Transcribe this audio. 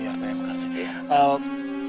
mereka tidak tahap